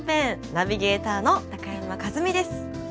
ナビゲーターの高山一実です。